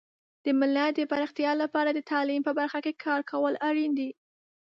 د ملت د پراختیا لپاره د تعلیم په برخه کې کار کول اړین دي.